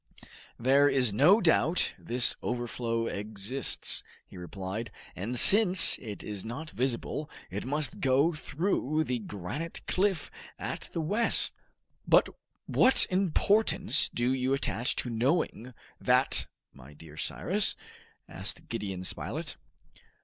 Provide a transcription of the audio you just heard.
"There is no doubt this overflow exists," he repeated, "and since it is not visible it must go through the granite cliff at the west!" "But what importance do you attach to knowing that, my dear Cyrus?" asked Gideon Spilett.